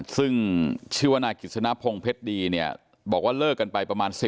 ซึ่งชื่อว่านายกิจสนพงศ์เพชรดีเนี่ยบอกว่าเลิกกันไปประมาณ๑๐